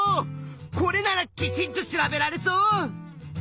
これならきちんと調べられそう！